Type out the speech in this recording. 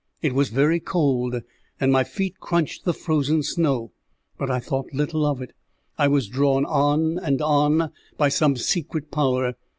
It was very cold, and my feet crunched the frozen snow; but I thought little of it I was drawn on and on by some secret power.